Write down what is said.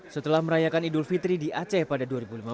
setelah merayakan idul fitri di aceh pada dua ribu lima belas